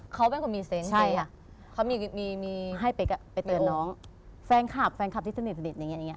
เขาเป็นคนมีเซ็นต์เจ๊อะให้เป๊กไปเตือนน้องแฟนคลับที่สนิทอย่างนี้